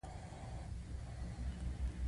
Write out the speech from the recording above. هغه توکي په خپله بیه نه پلوري